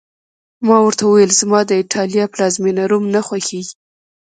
ما ورته وویل: زما د ایټالیا پلازمېنه، روم نه خوښېږي.